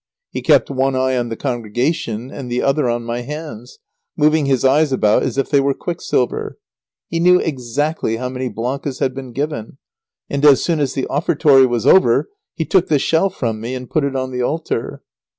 He kept one eye on the congregation and the other on my hands, moving his eyes about as if they were quicksilver. He knew exactly how many blancas had been given, and as soon as the offertory was over, he took the shell from me and put it on the altar.